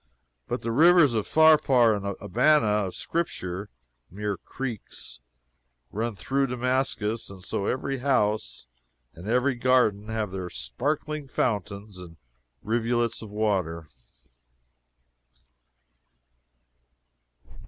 But the "rivers" of Pharpar and Abana of Scripture (mere creeks,) run through Damascus, and so every house and every garden have their sparkling fountains and rivulets of water.